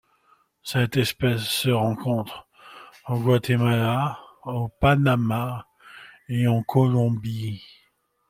Cette espèce se rencontre au Guatemala, au Panama et en Colombie.